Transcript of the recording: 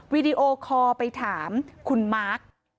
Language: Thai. วีดีโอคอลไปถามคุณมาร์ค